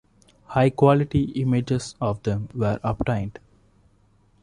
High-quality images of them were obtained.